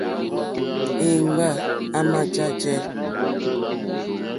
Èŋɡba yà má jèjɛ̀.